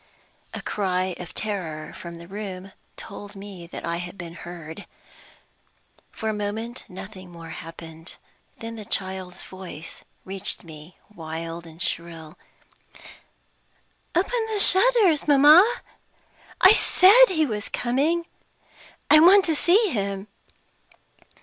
A CRY of terror from the room told me that I had been heard. For a moment more nothing happened. Then the child's voice reached me, wild and shrill: "Open the shutters, mamma! I said he was coming I want to see him!"